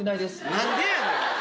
何でやねん！